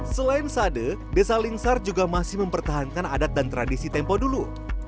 selain sade desa lingsar juga masih mempertahankan adat dan tradisi tempo dulu